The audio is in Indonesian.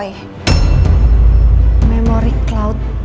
aku itu sekarang lagi mau coba buka account memory cloud nya roy